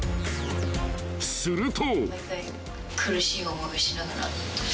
［すると］